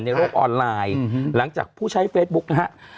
โลกออนไลน์หลังจากผู้ใช้เฟซบุ๊กนะฮะ